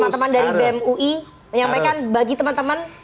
teman teman dari bem ui menyampaikan bagi teman teman